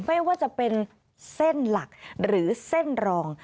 ไม่ว่าจะเป็นเส้นหลักหรือเส้นรอง